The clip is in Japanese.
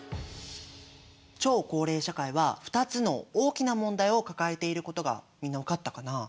超高齢社会は２つの大きな問題を抱えていることがみんな分かったかな？